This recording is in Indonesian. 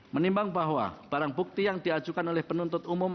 menimbang bahwa barang bukti yang diajukan oleh penuntut umum